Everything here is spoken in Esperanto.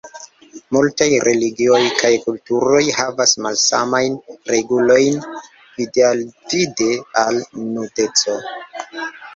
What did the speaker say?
Multaj religioj kaj kulturoj havas malsamajn regulojn vidalvide al nudeco.